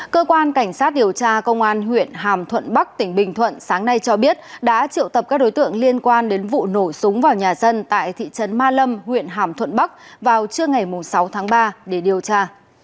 cơ quan cảnh sát điều tra công an huyện hàm thuận bắc tỉnh bình thuận sáng nay cho biết đã triệu tập các đối tượng liên quan đến vụ nổ súng vào nhà dân tại thị trấn ma lâm huyện hàm thuận bắc vào trưa ngày sáu tháng ba để điều tra